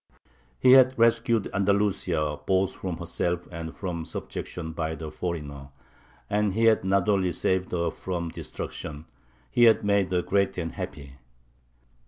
He had rescued Andalusia both from herself and from subjection by the foreigner. And he had not only saved her from destruction; he had made her great and happy.